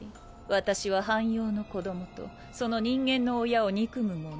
私は半妖の子どもとその人間の親を憎む者。